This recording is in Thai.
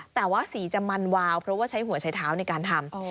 แต่ว่าสีจะมันวาวเพราะว่าใช้หัวใช้เท้าในการทำ